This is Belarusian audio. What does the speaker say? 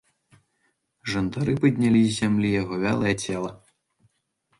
Жандары паднялі з зямлі яго вялае цела.